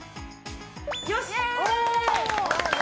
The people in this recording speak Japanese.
よし！